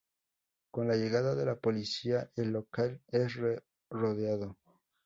Con la llegada de la policía, el local es rodeado.